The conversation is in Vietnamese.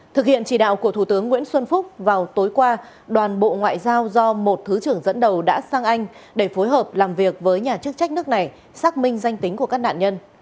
thực hiện chỉ đạo của thủ tướng nguyễn xuân phúc vào tối qua đoàn bộ ngoại giao do một thứ trưởng dẫn đầu đã sang anh để phối hợp làm việc với nhà chức trách nước này xác minh danh tính của các nạn nhân